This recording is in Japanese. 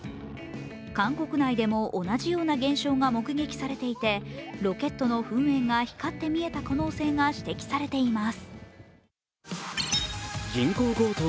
韓国内でも同じような現象が目撃されていてロケットの噴煙が光って見えた可能性が指摘されています。